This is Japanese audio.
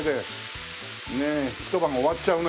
ねえひと晩終わっちゃうね。